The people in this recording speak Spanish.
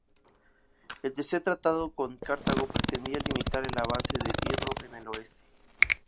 El tercer tratado con Cartago pretendía limitar el avance de Pirro en el oeste.